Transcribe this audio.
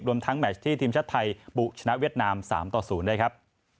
รวมทั้งแมทที่ทีมชัดไทยบุชนะเวียดนาม๓๐ได้ครับ